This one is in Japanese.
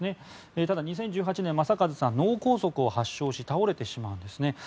ただ、２０１８年、正和さんは脳梗塞を発症して倒れてしまいます。